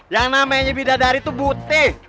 yang namanya bidadari tuh butih